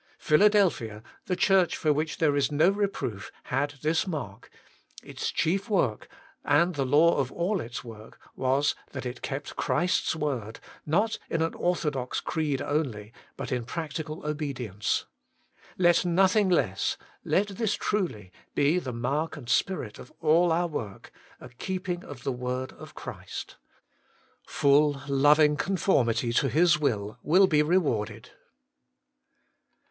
Philadelphia, the church for which there is no reproof, had this mark : its chief work, and the law of all its work, was, it kept Christ's zvord, not in an ortho dox creed only, but in practical obedience. Let nothing less, let this truly, be the mark and spirit of all our work : a keeping of the word of Christ. Full, loving conform ity to His will will be rewarded.